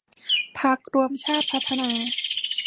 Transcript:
พรรครวมชาติพัฒนา